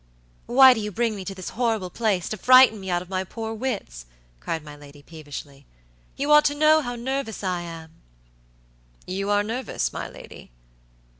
"Why do you bring me to this horrible place to frighten me out of my poor wits?" cried my lady, peevishly. "You ought to know how nervous I am." "You are nervous, my lady?"